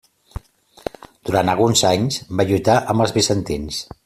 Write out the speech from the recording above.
Durant alguns anys va lluitar amb els bizantins.